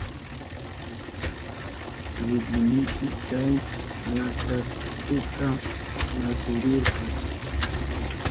Ridinipi chay lakartuka lasurirka.